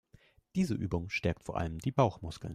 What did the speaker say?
Diese Übung stärkt vor allem die Bauchmuskeln.